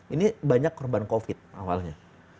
ini banyak korban covid awalnya